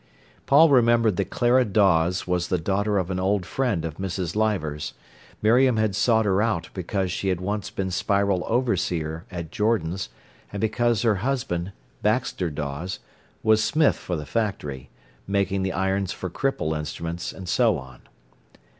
Paul remembered that Clara Dawes was the daughter of an old friend of Mrs. Leivers. Miriam had sought her out because she had once been Spiral overseer at Jordan's, and because her husband, Baxter Dawes, was smith for the factory, making the irons for cripple instruments, and so on.